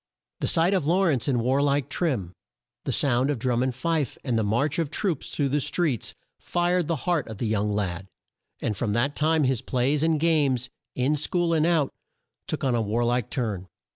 The sight of Law rence in war like trim, the sound of drum and fife, and the march of troops through the streets, fired the heart of the young lad, and from that time his plays and games, in school and out, took on a war like turn.